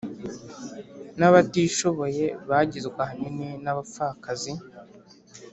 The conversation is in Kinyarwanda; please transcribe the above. N abatishoboye bagizwe ahanini n abapfakazi